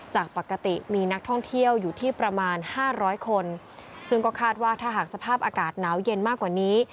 จากปกติมีนักท่องเที่ยวอยู่ที่ประมาณห้าร้อยคนซึ่งก็คาดว่าถ้าหากสภาพอากาศหนาวเย็นมากกว่านี้